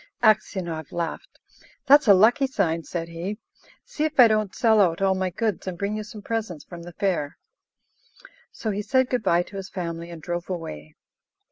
Aksionov laughed. "That's a lucky sign," said he. "See if I don't sell out all my goods, and bring you some presents from the fair." So he said good bye to his family, and drove away.